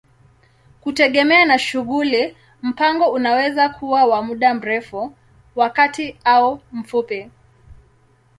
Kutegemea na shughuli, mpango unaweza kuwa wa muda mrefu, wa kati au mfupi.